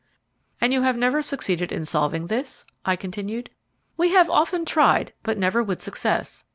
"And you have never succeeded in solving this?" I continued. "We have often tried, but never with success.